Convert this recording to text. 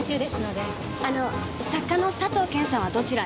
あの作家の佐藤謙さんはどちらに？